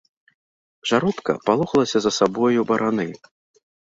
Жаробка палохалася за сабою бараны.